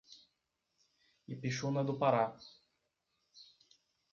Ipixuna do Pará